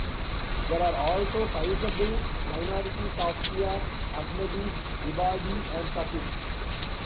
There are also sizeable minorities of Shias, Ahmadis, Ibadi and Sufis.